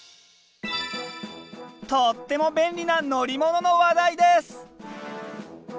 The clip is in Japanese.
とっても便利な乗り物の話題です！